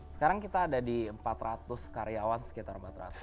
sekarang kita ada di empat ratus karyawan sekitar empat ratus